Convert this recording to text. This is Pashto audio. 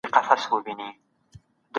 کمپيوټر البم جوړوي.